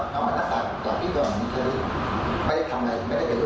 ทำอะไรพูดแบบนี้พูดต่อพูดแบบนี้เลย